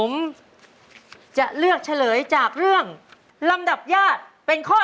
ผมจะเลือกเฉลยจากเรื่องลำดับญาติเป็นข้อ